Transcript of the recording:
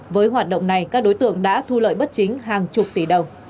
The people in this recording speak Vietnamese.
với hoạt động này các đối tượng đã thu lợi bất chính hàng chục tỷ đồng